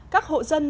các hộ dân